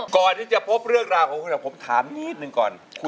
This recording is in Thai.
ก่อนที่จะพบเรื่องราวของคุณผมถามนิดหนึ่งก่อน